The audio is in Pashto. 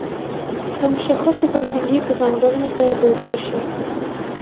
د مشخصو فرهنګي په ځانګړنو سره توپیر شي.